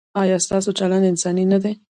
ایا ستاسو چلند انساني نه دی؟